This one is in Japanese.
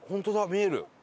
見える！